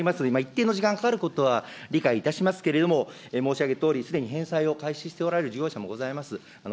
一定の時間がかかることは理解いたしますけれども、申し上げたとおり、すでに返済を開始しておられる事業者もございます。